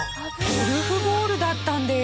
ゴルフボールだったんです。